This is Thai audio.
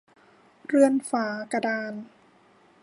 เรือนฝากระดาน